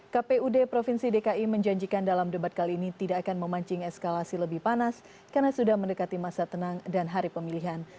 kpud provinsi dki menjanjikan dalam debat kali ini tidak akan memancing eskalasi lebih panas karena sudah mendekati masa tenang dan hari pemilihan